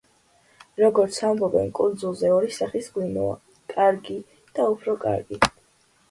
როგორც ამბობენ კუნძულზე ორი სახის ღვინოა: კარგი და უფრო კარგი.